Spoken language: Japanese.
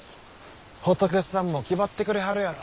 仏さんもきばってくれはるやろ。